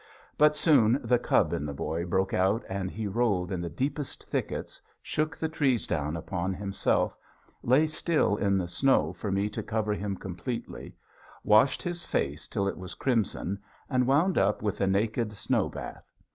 But soon the cub in the boy broke out and he rolled in the deepest thickets, shook the trees down upon himself, lay still in the snow for me to cover him completely, washed his face till it was crimson, and wound up with a naked snow bath.